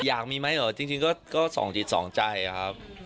อยากมีไหมเหรอจริงก็สองจิตสองใจครับ